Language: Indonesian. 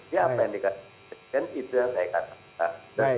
siapa yang dikatakan presiden itu yang saya katakan